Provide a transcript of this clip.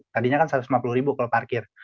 tadinya kan satu ratus lima puluh ribu kalau parkir